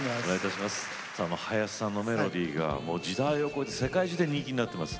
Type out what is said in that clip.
林さんのメロディーが時代を越えて世界中で人気になっています。